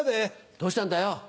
どうしたんだよ？